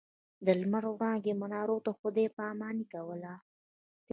د لمر وړانګې منارو ته خداې پا ماني کوله.